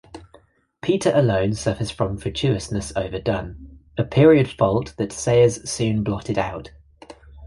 Peter alone suffers from fatuousness overdone, a period fault that Sayers soon blotted out.